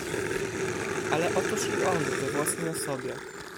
"Ale otóż i on we własnej osobie!"